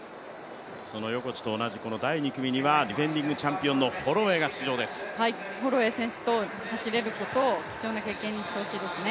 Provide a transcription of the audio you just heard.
その横地と同じ第２組には、ディフェンディングチャンピオンのホロウェイ選手と走れることを貴重な経験にしてほしいですね。